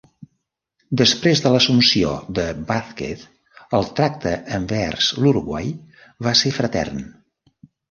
Després de l'assumpció de Vázquez el tracte envers l'Uruguai va ser fratern.